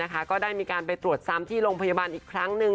ก็ได้มีการไปตรวจซ้ำที่โรงพยาบาลอีกครั้งหนึ่ง